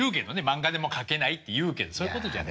漫画でも描けないっていうけどそういうことじゃない。